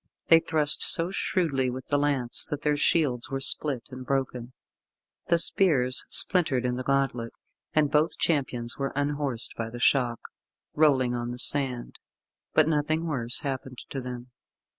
They thrust so shrewdly with the lance, that their shields were split and broken. The spears splintered in the gauntlet, and both champions were unhorsed by the shock, rolling on the sand; but nothing worse happened to them.